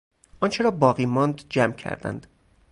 آنچه را باقی ماند جمع کردند